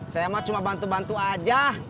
saya mah cuma bantu bantu aja